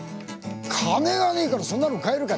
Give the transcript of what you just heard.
「金がねえからそんなの買えるか」。